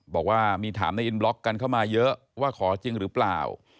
บอกว่ามีถามในอินบล็อกกันเข้ามาเยอะว่าขอจริงหรือเปล่า